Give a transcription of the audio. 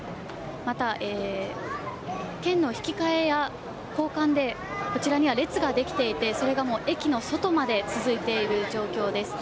また、券の引き換えや、交換で、こちらには列が出来ていて、それがもう駅の外まで続いている状況です。